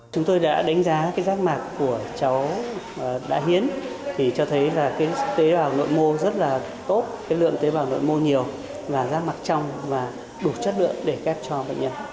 chúng tôi đã đánh giá rác mạc của cháu đã hiến cho thấy tế bào nội mô rất là tốt lượng tế bào nội mô nhiều rác mạc trong và đủ chất lượng để ghép cho bệnh nhân